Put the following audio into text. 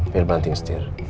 mir banting setir